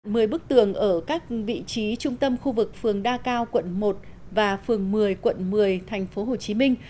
mười bức tường ở các vị trí trung tâm khu vực phường đa cao quận một và phường một mươi quận một mươi thành phố hồ chí minh